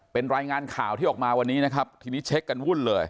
เป็นรายงานข่าวที่ออกมาวันนี้นะครับทีนี้เช็คกันวุ่นเลย